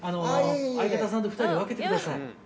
相方さんと２人で分けてください。